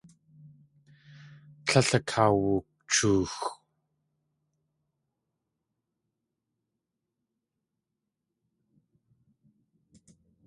Tléil akawuchoox.